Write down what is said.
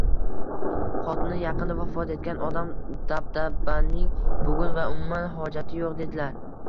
Xotini yaqinda vafot etgan odam, dabdabaning bugun va umuman hojati yo'q, — dedilar.